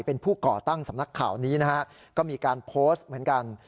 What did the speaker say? เป็นผู้ก่อตั้งสำนักข่าวนี้นะฮะก็มีการโพสต์เหมือนกัน